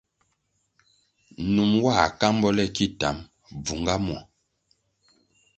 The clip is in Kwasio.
Num nwā kambo le ki tam, bvunga muo.